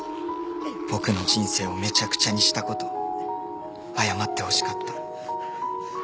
「僕の人生をめちゃくちゃにしたこと謝ってほしかった」